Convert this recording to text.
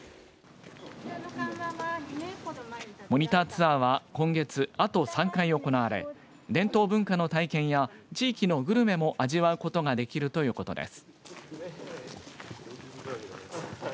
モニターツアーは今月あと３回行われ伝統文化の体験や地域のグルメも味わうことができるということです。